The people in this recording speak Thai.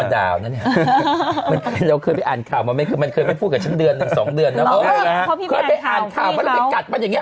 เดี๋ยวมันพูดมาดาวน์น่ะนี่